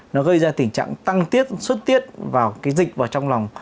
nó gây ra tình trạng tăng tiết xuất tiết vào cái dịch vào trong lòng